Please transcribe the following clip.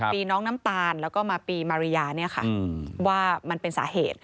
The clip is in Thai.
ปีน้องน้ำตาลแล้วก็มาปีมาริยาเนี่ยค่ะว่ามันเป็นสาเหตุ